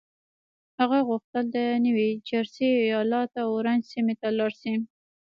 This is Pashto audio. هغه غوښتل د نيو جرسي ايالت اورنج سيمې ته لاړ شي.